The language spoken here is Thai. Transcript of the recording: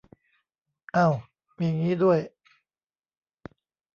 เอ้า มีงี้ด้วย